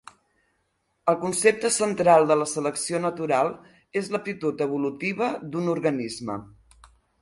El concepte central de la selecció natural és l'aptitud evolutiva d'un organisme.